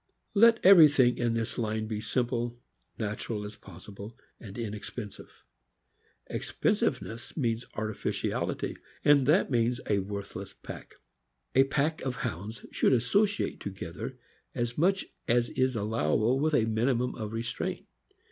Let everything in this line be simple, natural as possible, and inexpensive. Expensive ness means artificiality, and that means a worthless pack. A pack of Hounds should associate together as much as is allowable with a minimum of restraint.